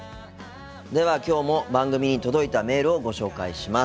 ではきょうも番組に届いたメールをご紹介します。